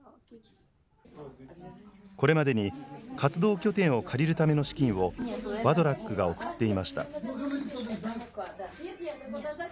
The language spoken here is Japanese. これまでに活動拠点を借りるための資金を、ワドラックが送っていました。